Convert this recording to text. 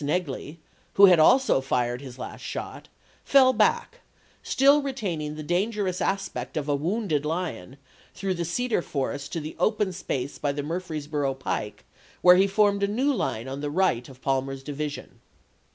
Negley, who had also fired his last shot, fell back, still retaining the danger ous aspect of a wounded lion, through the cedar forests to the open space by the Murfreesboro pike, where he formed a new line on the right of Palmer's division.